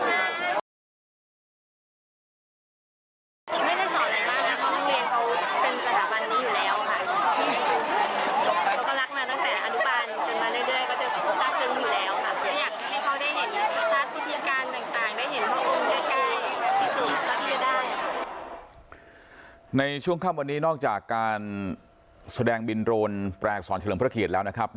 ไม่ได้สอนอะไรมากครับฮ่องเรียนเขาเป็นสถาบันนี้อยู่แล้วค่ะ